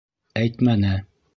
Әйтмәне.